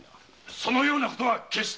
そのようなことは決して。